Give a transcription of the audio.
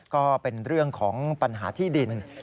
ก็เป็นเรื่องของปัญหาที่ดิน